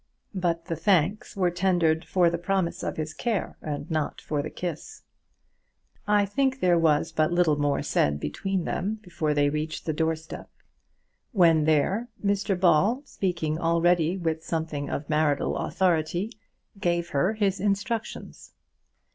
But the thanks were tendered for the promise of his care, and not for the kiss. I think there was but little more said between them before they reached the door step. When there, Mr Ball, speaking already with something of marital authority, gave her his instructions.